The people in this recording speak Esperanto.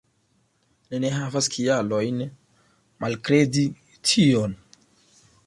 Ni ne havas kialojn malkredi tion.